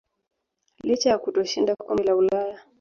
licha ya kutoshindwa kombe la Ulaya